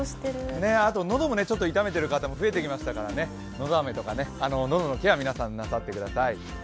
あと喉もちょっと痛めている方も増えてきましたからのどあめとかのどのケアをなさってください。